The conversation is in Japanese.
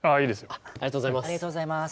ありがとうございます。